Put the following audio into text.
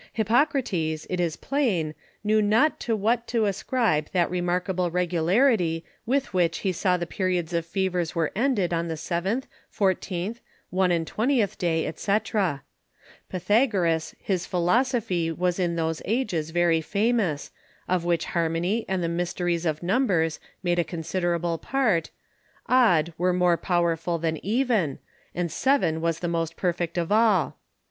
Hippocrates, it is plain, knew not to what to ascribe that remarkable regularity with which he saw the Periods of Feavers were ended on the Seventh, Fourteenth, One and Twentieth day, &c. Pythagoras his Philosophy was in those Ages very Famous, of which Harmony and the Mysteries of Numbers made a considerable part, Odd were more Powerful than Even, and Seven was the most perfect of all.